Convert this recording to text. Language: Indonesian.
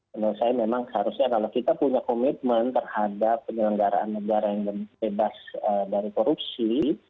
menurut saya memang seharusnya kalau kita punya komitmen terhadap penyelenggaraan negara yang bebas dari korupsi